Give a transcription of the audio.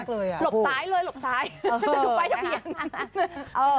หลบซ้ายเลยหลบซ้ายถ้าจะดูไปอย่างนั้น